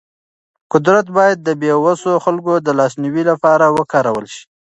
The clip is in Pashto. قدرت باید د بې وسو خلکو د لاسنیوي لپاره وکارول شي.